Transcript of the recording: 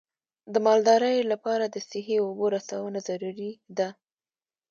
د مالدارۍ لپاره د صحي اوبو رسونه ضروري ده.